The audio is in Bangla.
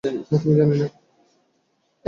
না, তুমি জানি না।